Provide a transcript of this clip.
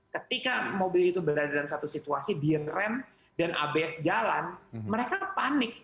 ketika mobil itu berada dalam satu situasi direm dan abs jalan mereka panik